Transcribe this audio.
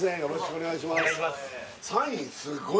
お願いします